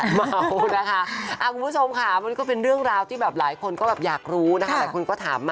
พอนะคะอ่ะคุณผู้ชมค่ะมันก็เป็นเรื่องราวที่แบบหลายคนก็แบบอยากรู้นะคะ